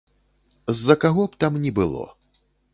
З-за каго б там ні было.